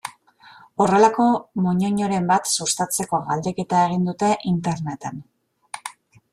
Horrelako moñoñoren bat sustatzeko galdeketa egin dute Interneten.